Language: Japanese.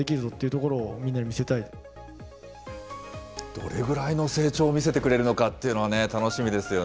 どれぐらいの成長を見せてくれるのかっていうのは楽しみです